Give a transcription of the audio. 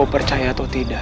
mau percaya atau tidak